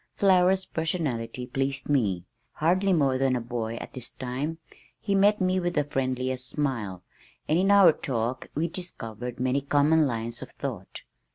Flower's personality pleased me. Hardly more than a boy at this time, he met me with the friendliest smile, and in our talk we discovered many common lines of thought.